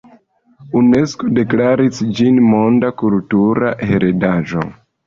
Unesko deklaris ĝin Monda Kultura Heredaĵo.